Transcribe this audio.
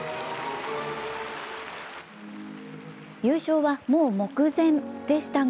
優勝はもう目前でしたが